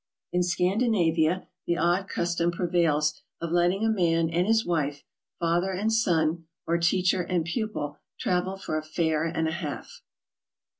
In Scandinavia the odd custom prevails of letting a man and his wife, father and son, or teacher and pupil, travel for a fare and a half.